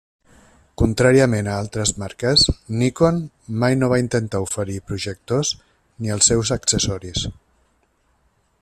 Contràriament a altres marques, Nikon mai no va intentar oferir projectors ni els seus accessoris.